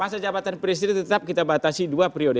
masa jabatan presiden tetap kita batasi dua periode